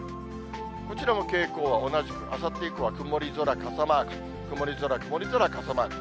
こちらも傾向は同じく、あさって以降は曇り空、傘マーク、曇り空、曇り空、傘マーク。